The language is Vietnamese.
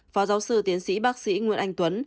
phó giáo sư tiến sĩ bác sĩ nguyễn anh tuấn